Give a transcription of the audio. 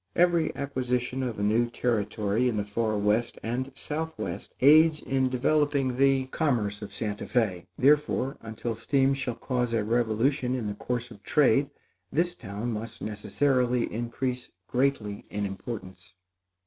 Every acquisition of a new territory in the far west and southwest aids in developing the commerce of Santa Fé; therefore, until steam shall cause a revolution in the course of trade, this town must necessarily increase greatly in importance.